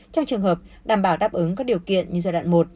trong trường hợp đảm bảo đáp ứng các điều kiện như giai đoạn một